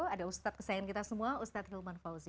ada ustadz kesayangan kita semua ustadz hilman fauzi